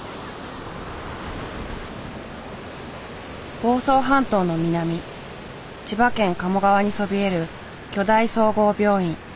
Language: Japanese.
房総半島の南千葉県鴨川にそびえる巨大総合病院。